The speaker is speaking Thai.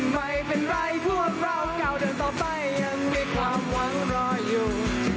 ไม่เป็นไรเพราะว่าเราก่อเดินต่อไปยังมีความว่างรออยู่